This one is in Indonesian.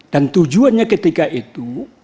dan tujuannya ketika itu